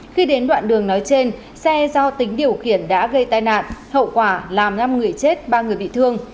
khi đến đoạn đường nói trên xe do tính điều khiển đã gây tai nạn hậu quả làm năm người chết ba người bị thương